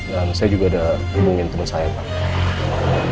dan saya juga ada hubungan teman saya pak